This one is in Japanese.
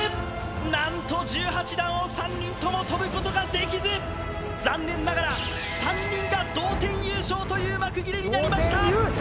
何と１８段を３人とも跳ぶことができず残念ながら３人が同点優勝という幕切れになりました！